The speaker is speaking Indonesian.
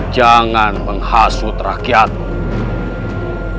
jangan menghasut rakyatmu